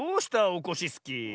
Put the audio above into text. オコシスキー。